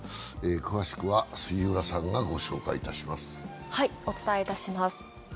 詳しくは杉浦さんがご紹介いたします。